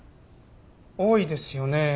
多いですよね。